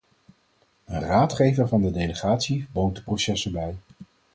Een raadgever van de delegatie woont de processen bij.